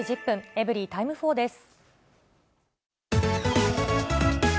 エブリィタイム４です。